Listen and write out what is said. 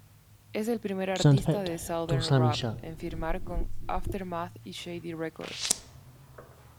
Es el primer artista de southern rap en firmar con Aftermath y Shady Records.